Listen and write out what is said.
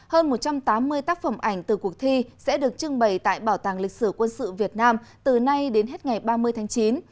hơn một trăm tám mươi tác phẩm ảnh từ cuộc thi sẽ được trưng bày tại bảo tàng lịch sử quân sự việt nam từ nay đến hết ngày ba mươi tháng chín